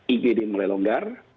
igd mulai longgar